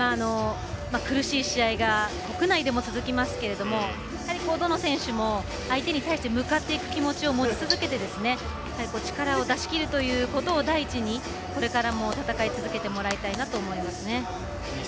苦しい試合が国内でも続きますけれどもどの選手も相手に対して向かっていく気持ちを持ち続けて力を出しきるということを第一に、これからも戦い続けてもらいたいなと思いますね。